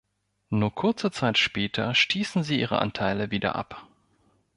Nur kurze Zeit später stießen sie ihre Anteile wieder ab.